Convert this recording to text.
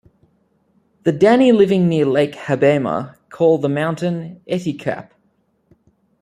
The Dani living near lake Habbema call the mountain Ettiakup.